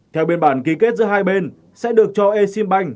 theo biên bản ký kết giữa hai bên sẽ được cho exim bank